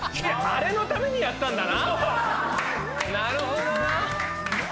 あれのためにやったんだ。